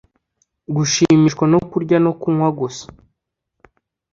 gushimishwa no kurya no kunywa gusa